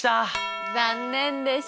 残念でした。